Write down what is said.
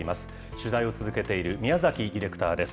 取材を続けている宮崎ディレクターです。